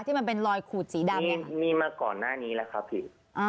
มันเป็นรอยขูดสีดำเนี่ยมีมาก่อนหน้านี้แล้วครับพี่